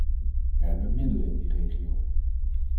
Wij hebben middelen in die regio.